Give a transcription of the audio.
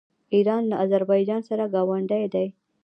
ایران له اذربایجان سره ګاونډی دی.